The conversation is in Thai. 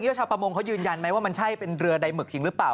แล้วชาวประมงเขายืนยันไหมว่ามันใช่เป็นเรือใดหมึกจริงหรือเปล่า